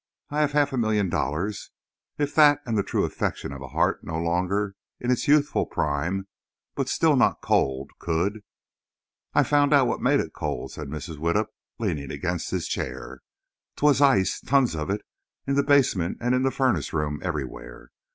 I have half a million dollars. If that and the true affection of a heart no longer in its youthful prime, but still not cold, could—" "I found out what made it cold," said Mrs. Widdup, leaning against his chair. "'Twas ice—tons of it—in the basement and in the furnace room, everywhere.